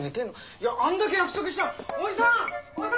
いやあんだけ約束したのに。